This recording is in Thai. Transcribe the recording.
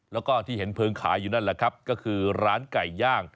แล้วก็ที่เห็นเพลิงขายอยู่นั่นแหละครับก็คือร้านไก่ย่าง